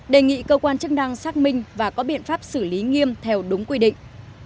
đề nghị cơ quan chức năng xác minh và có biện pháp xử lý nghiêm theo đúng quy định